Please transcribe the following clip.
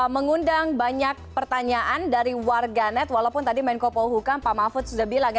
mengundang banyak pertanyaan dari warganet walaupun tadi menko polhukam pak mahfud sudah bilang ya